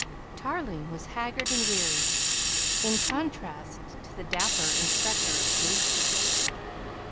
Tarling was haggard and weary, in contrast to the dapper inspector of police.